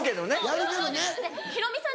ヒロミさん